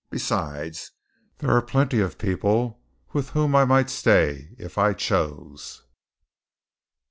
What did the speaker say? Besides, there are plenty of people with whom I might stay if I chose."